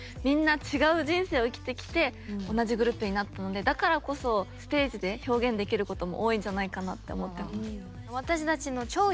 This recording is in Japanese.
同じグループになったのでだからこそステージで表現できることも多いんじゃないかなって思ってます。